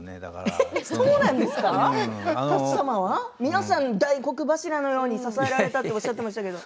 皆さん大黒柱のように支えられたとおっしゃっていましたけれど。